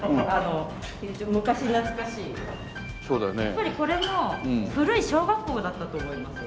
やっぱりこれも古い小学校だったと思います。